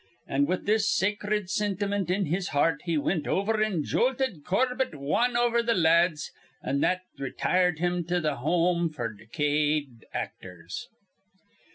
An' with this sacred sintimint in his heart he wint over an' jolted Corbett wan over th' lathes that retired him to th' home f'r decayed actors.